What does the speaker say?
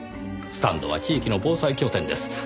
スタンドは地域の防災拠点です。